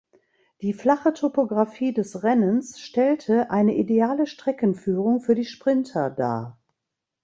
Die flache Topografie des Rennens stellte eine ideale Streckenführung für die Sprinter dar.